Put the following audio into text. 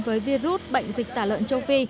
với virus bệnh dịch tả lợn châu phi